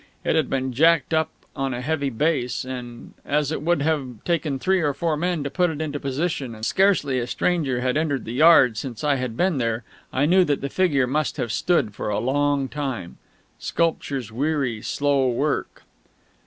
It had been jacked up on a heavy base; and as it would have taken three or four men to put it into position, and scarcely a stranger had entered the yard since I had been there, I knew that the figure must have stood for a long time. Sculpture's weary, slow work.